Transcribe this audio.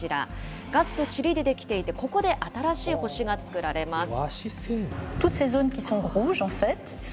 ガスとチリで出来ていて、ここで新しい星が作られます。